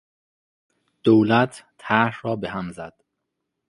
دولت طرح را به هم زد.